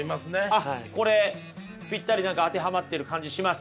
あっこれぴったり何か当てはまってる感じします？